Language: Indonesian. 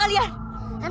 terima kasih pak